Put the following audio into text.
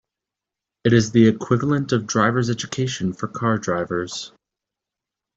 It is the equivalent of driver's education for car drivers.